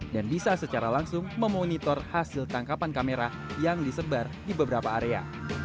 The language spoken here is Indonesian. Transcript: dan bisa secara langsung memonitor hasil tangkapan kamera yang disebar di beberapa area